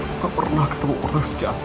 aku pernah ketemu orang sejahat kamu